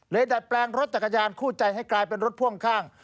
ดัดแปลงรถจักรยานคู่ใจให้กลายเป็นรถพ่วงข้าง